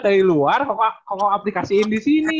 dari luar koko aplikasiin di sini